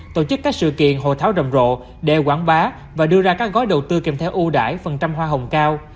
tổ chức các sự kiện hồ tháo rầm rộ đeo quảng bá và đưa ra các gói đầu tư kèm theo ưu đãi phần trăm hoa hồng cao